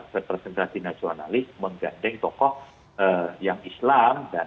representasi nasionalis menggandeng tokoh yang islam